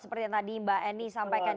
seperti yang tadi mbak eni sampaikan